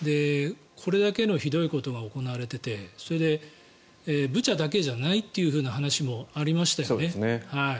これだけのひどいことが行われていてそれで、ブチャだけじゃないっていう話もありましたよね。